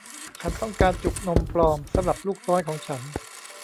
ฉันต้องการจุกนมปลอมสำหรับลูกน้อยของฉัน